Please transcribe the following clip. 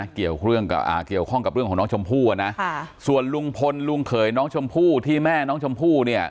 เกี่ยวข้องกับเรื่องของน้องชมพู่ส่วนลุงพลลุงเขยน้องชมพู่ที่แม่น้องชมพู่